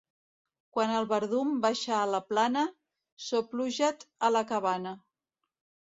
Quan el verdum baixa a la plana, sopluja't a la cabana.